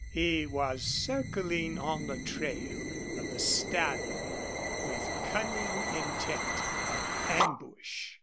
He was circling on the trail of the stallion, with cunning intent of ambush.